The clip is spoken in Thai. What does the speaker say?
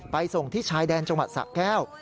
ส่งที่ชายแดนจังหวัดสะแก้ว